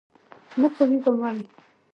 نه پوهېږم ولې.